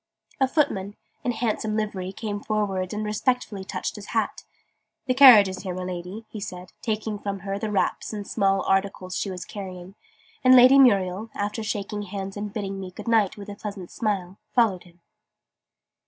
A footman, in a handsome livery, came forwards and respectfully touched his hat. "The carriage is here, my Lady," he said, taking from her the wraps and small articles she was carrying: and Lady Muriel, after shaking hands and bidding me "Good night!" with a pleasant smile, followed him.